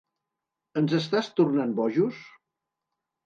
Ens estàs tornant bojos?